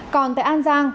còn tại an giang